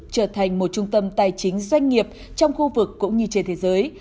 trở thành một trung tâm tài chính doanh nghiệp trong khu vực cũng như trên thế giới